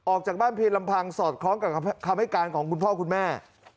ออกจากบ้านเพียงลำพังสอดคล้องกับคำให้การของคุณพ่อคุณแม่